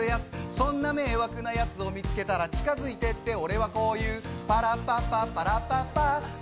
そんな迷惑なやつを見つけたら近づいてって俺はこう言う。